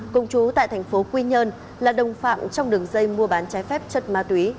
cùng chú tại tp quy nhơn là đồng phạm trong đường dây mua bán trái phép chất ma túy